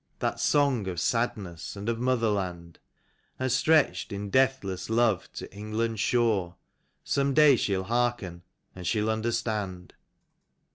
That song of sadness and of motherland; And stretched in deathless love to England's shore, Some day she'll hearken and she'll understand.)